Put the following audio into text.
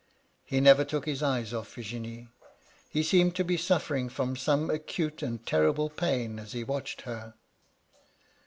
He never took his eyes off Virginie ; he seemed to be suffering from some acute and terrible pain as he watched her.